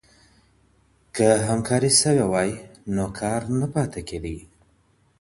که همکاري سوې وای نو کار نه پاته کیدی.